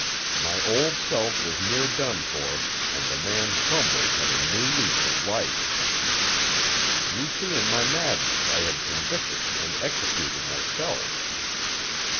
My old self was near done for and the man Trumbull had a new lease of life. You see in my madness I had convicted and executed myself.